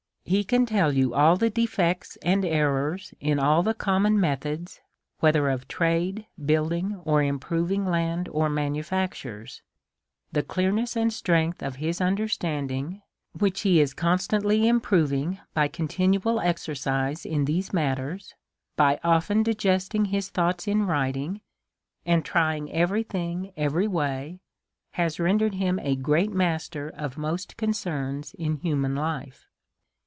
He can tell you all the defects and errors in all the common methods, whether of trade, building, or im proving land or manufactures. The clearness and strength of his understanding, which he is constantly improving by continual exercise in these matters, by often digesting his thoughts in writing, and trying every thing every way, has rendered him a great mas ter of most concerns hi human life.